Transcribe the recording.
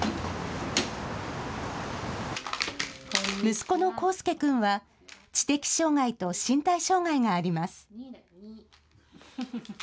息子の康助君は知的障害と身体障害があります。